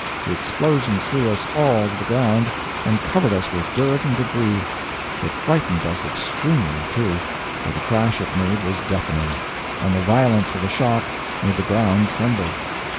The explosion threw us all to the ground, and covered us with dirt and debris; it frightened us extremely, too, for the crash it made was deafening, and the violence of the shock made the ground tremble.